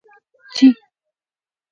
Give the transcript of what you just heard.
چې: